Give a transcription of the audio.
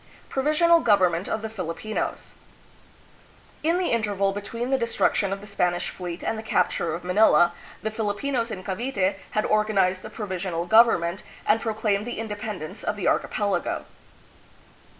Provisional Government of the Filipinos. In the interval between the destruction of the Spanish fleet and the capture of Manila, the Filipinos in Cavite had or ganized a provisional government and proclaimed the in dependence of the archipelago.